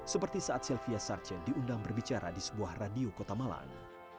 seperti saat sylvia sarcen diundang berbicara di sebuah radio kota malang